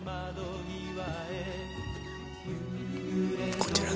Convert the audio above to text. こちらで。